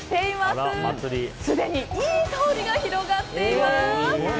すでにいい香りが広がっています。